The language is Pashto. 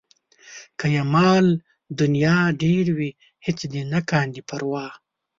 که یې مال د نيا ډېر وي هېڅ دې نه کاندي پروا